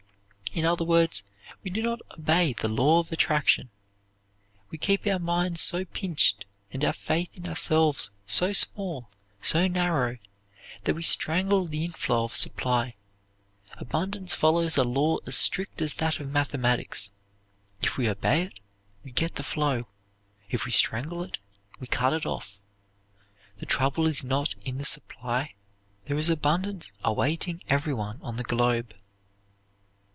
In other words, we do not obey the law of attraction. We keep our minds so pinched and our faith in ourselves so small, so narrow, that we strangle the inflow of supply. Abundance follows a law as strict as that of mathematics. If we obey it, we get the flow; if we strangle it, we cut it off. The trouble is not in the supply; there is abundance awaiting everyone on the globe.